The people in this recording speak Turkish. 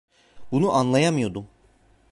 Bunu anlayamıyordum.